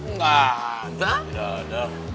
enggak enggak ada